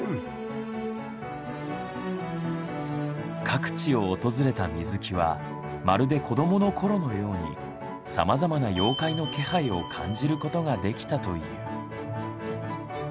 各地を訪れた水木はまるで子供のころのようにさまざまな妖怪の気配を感じることができたという。